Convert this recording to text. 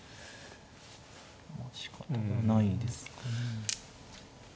まあしかたがないですかね。